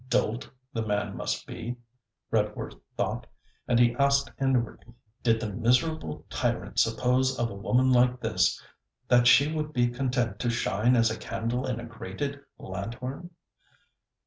Dolt, the man must be, Redworth thought; and he asked inwardly, Did the miserable tyrant suppose of a woman like this, that she would be content to shine as a candle in a grated lanthorn?